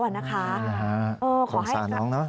ของสาน้องเนอะ